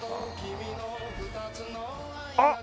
あっ！